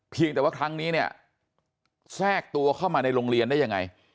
เพียงแต่ว่าครั้งนี้เนี่ยแทรกตัวเข้ามาในโรงเรียนได้ยังไง